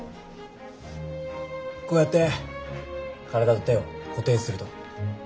こうやって体と手を固定すると。